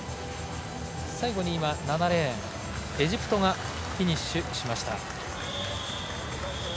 最後に７レーンエジプトがフィニッシュしました。